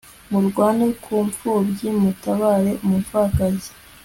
murwane ku mpfubyi, mutabare umupfakazi